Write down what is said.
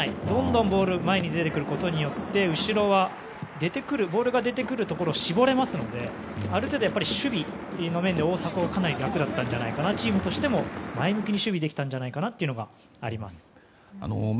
どんどんボールが前に出てくることによって後ろはボールが出てくるところを絞れますのである程度、守備の面で大迫はかなり楽だったんじゃないかなチームとしても前向きに守備できたんじゃないかというのがあります。